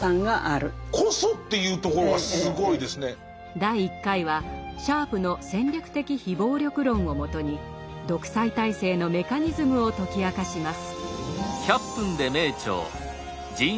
第１回はシャープの戦略的非暴力論をもとに独裁体制のメカニズムを解き明かします。